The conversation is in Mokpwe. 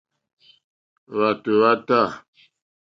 Hwàtò hwá tâ.